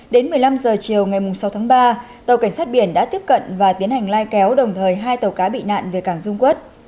đến một mươi năm h chiều ngày sáu tháng ba tàu cảnh sát biển đã tiếp cận và tiến hành lai kéo đồng thời hai tàu cá bị nạn về cảng dung quốc